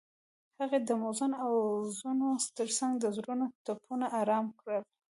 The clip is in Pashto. هغې د موزون اوازونو ترڅنګ د زړونو ټپونه آرام کړل.